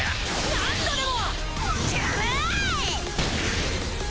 何度でも！